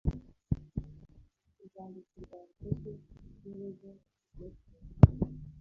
ku rwandiko rwakozwe n'urugo-umutwe